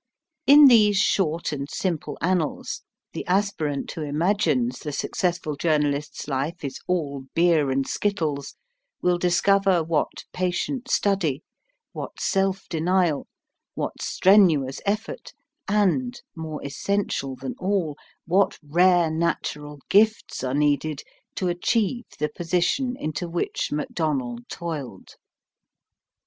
In these short and simple annals, the aspirant who imagines the successful journalist's life is all beer and skittles will discover what patient study, what self denial, what strenuous effort, and, more essential than all, what rare natural gifts are needed to achieve the position into which Macdonell toiled.